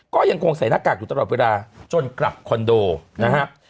ก็ยังคงใส่หน้ากากอยู่ตลอดเวลาจนกลับคอนโดนะครับ